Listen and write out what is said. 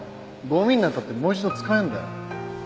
ゴミになったってもう一度使えるんだよ。